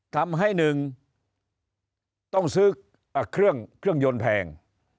ทำให้หนึ่งต้องซื้อเครื่องยนต์แพง